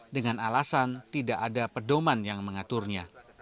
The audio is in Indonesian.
dengan alasan tidak ada pedoman yang mengaturnya